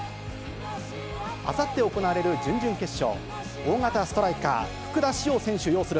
あさって行われる準々決勝。